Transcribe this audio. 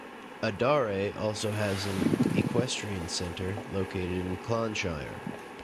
Adare also has an equestrian centre, located in Clonshire.